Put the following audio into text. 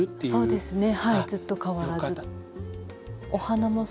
そうですね。